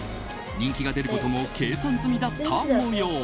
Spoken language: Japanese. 人気が出ることも計算済みだった模様。